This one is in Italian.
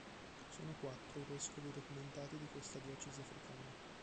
Sono quattro i vescovi documentati di questa diocesi africana.